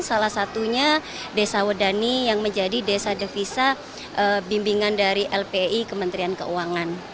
salah satunya desa wedani yang menjadi desa devisa bimbingan dari lpi kementerian keuangan